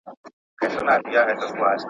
نه پوهېږي چي چاره پوري حيران دي.